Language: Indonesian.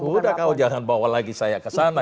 udah kau jangan bawa lagi saya ke sana